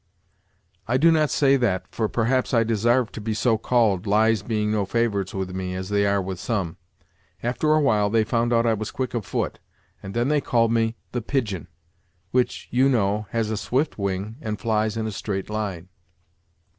"I do not say that, for perhaps I desarved to be so called, lies being no favorites with me, as they are with some. After a while they found out I was quick of foot, and then they called me 'The Pigeon'; which, you know, has a swift wing, and flies in a straight line."